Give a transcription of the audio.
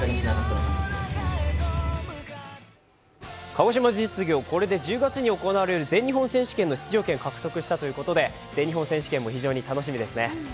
鹿児島実業はこれで１０月に行われる全日本選手権の出場権を獲得したということで全日本選手権も非常に楽しみですね。